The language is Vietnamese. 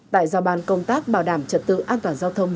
tại giao ban công tác bảo đảm trật tự an toàn giao thông